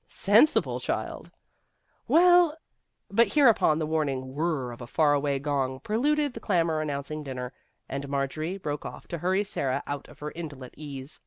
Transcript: " Sensible child !"" Well," but hereupon the warning whir r r of a far away gong preluded the clamor announcing dinner, and Marjorie broke off to hurry Sara out of her indolent ease.